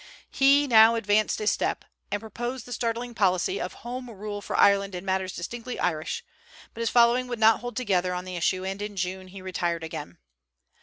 He now advanced a step, and proposed the startling policy of Home Rule for Ireland in matters distinctly Irish; but his following would not hold together on the issue, and in June he retired again.